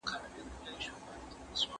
¬آس شيشني، خر رايي، غاتري نوري بلاوي وايي.